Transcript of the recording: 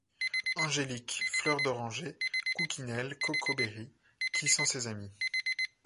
Angélique, Fleur d'oranger, Cookinelle, Coco Berry qui sont ses amis.